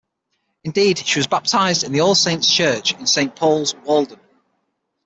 Indeed, she was baptised in the All Saints church in Saint Paul's Walden.